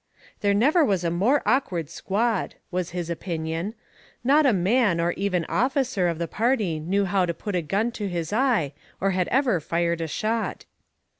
'There never was a more awkward squad,' was his opinion, 'not a man, or even officer, of the party knew how to put a gun to his eye or had ever fired a shot.'